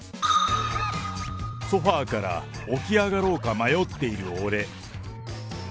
ソファから起き上がろうか迷っているオレ。